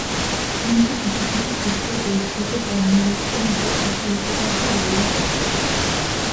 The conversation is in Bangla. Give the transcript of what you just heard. কিন্তু কিছু কিছু ক্ষেত্রে দেশটিতে পণ্য রপ্তানিতে অশুল্ক বাধা রয়েই গেছে।